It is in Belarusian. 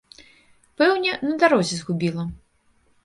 Пэўне, на дарозе згубіла.